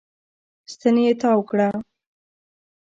ستن يې تاو کړه.